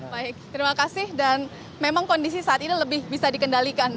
baik terima kasih dan memang kondisi saat ini lebih bisa dikendalikan